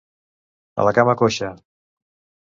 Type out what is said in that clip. A la cama coixa.